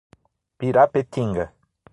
Pirapetinga